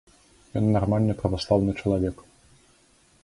Ён нармальны праваслаўны чалавек.